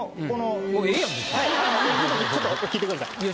ちょっと聞いてください。